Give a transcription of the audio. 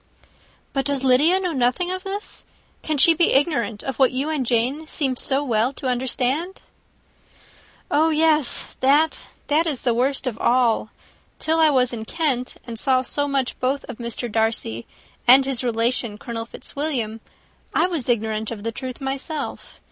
"But does Lydia know nothing of this? can she be ignorant of what you and Jane seem so well to understand?" "Oh, yes! that, that is the worst of all. Till I was in Kent, and saw so much both of Mr. Darcy and his relation Colonel Fitzwilliam, I was ignorant of the truth myself.